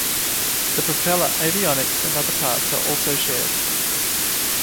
The propeller, avionics and other parts are also shared.